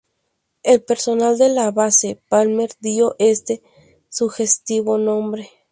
El personal de la Base Palmer dio este sugestivo nombre.